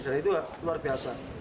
dan itu luar biasa